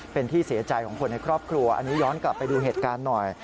เป็นที่เสียใจของคนในครอบครัวอันนี้ย้อนกลับไปดูเหตุการณ์หน่อย